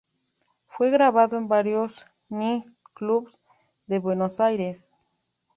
Fue grabado en varios nights clubs de Buenos Aires.